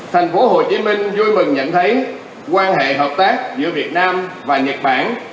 thành phố hồ chí minh vui mừng nhận thấy quan hệ hợp tác giữa việt nam và nhật bản